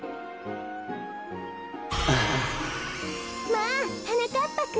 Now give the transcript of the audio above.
まあはなかっぱくん。